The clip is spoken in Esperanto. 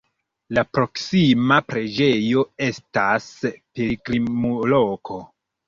La proksima preĝejo estas pilgrimloko.